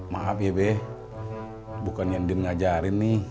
maaf ya be bukan yang dia ngajarin nih